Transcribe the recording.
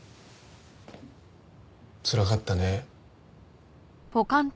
つらかったね。